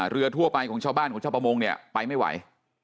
เรือทั่วไปของชาวบ้านของชาวประมงก็ไปไม่ไหว